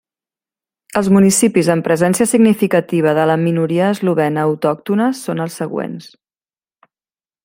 Els municipis amb presència significativa de la minoria eslovena autòctona són els següents.